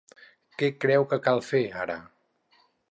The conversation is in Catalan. Que creu que cal fer, ara?